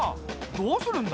どうするんだ？